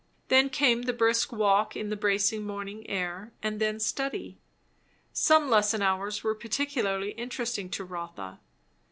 Then came the brisk walk in the bracing morning air; and then, study. Some lesson hours were particularly interesting to Rotha.